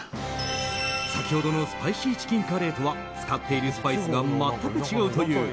先ほどのスパイシーチキンカレーとは使っているスパイスが全く違うという。